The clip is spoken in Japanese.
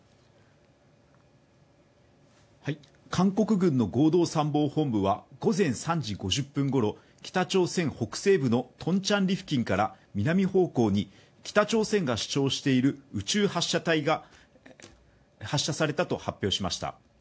韓国軍の合同参謀本部は午前３時５０分ごろ、北朝鮮北西部のトンチャンリ付近から南方向に北朝鮮が主張している宇宙発射体が発射されたと発表しました。